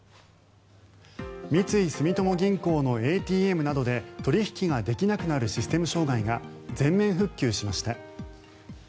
三井住友銀行のＡＴＭなどで取引ができなくなるシステム障害が全面復旧しました。